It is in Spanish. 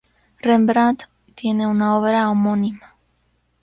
Rembrandt tiene una obra homónima.